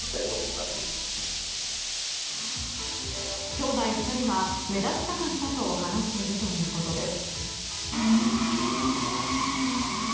兄弟２人は目立ちたかったと話しているということです。